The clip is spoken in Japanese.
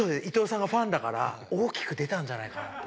伊藤さんがファンだから大きく出たんじゃないかな。